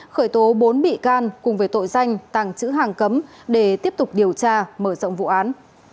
khởi tố bốn bị can cùng về tội danh tàng chữ hàng cấm để tiếp tục điều tra mở rộng vụ án